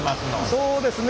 そうですね